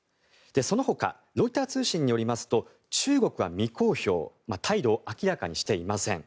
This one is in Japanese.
その他ロイター通信によりますと中国は未公表態度を明らかにしていません。